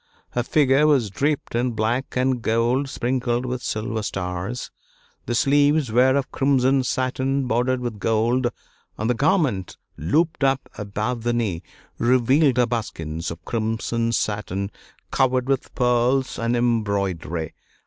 Her figure was draped in black and gold sprinkled with silver stars, the sleeves were of crimson satin bordered with gold, and the garment, looped up above the knee, revealed her buskins of crimson satin covered with pearls and embroidery.